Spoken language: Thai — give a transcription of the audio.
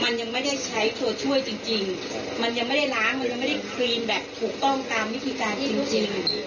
มันยังไม่ได้ใช้ตัวช่วยจริงจริงมันยังไม่ได้ล้างมันยังไม่ได้ครีนแบบถูกต้องตามวิธีการที่จริง